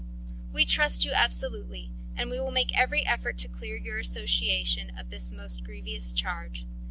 "We trust you absolutely, and we will make every effort to clear your association of this most grievous charge.